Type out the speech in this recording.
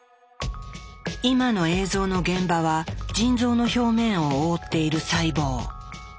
今の映像の現場は腎臓の表面を覆っている細胞。